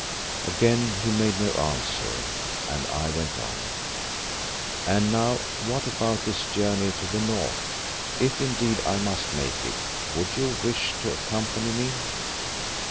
Again he made no answer and I went on, "And now, what about this journey to the north? If indeed I must make it, would you wish to accompany me?"